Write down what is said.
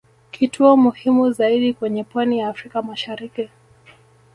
Kituo muhimu zaidi kwenye pwani ya Afrika mashariki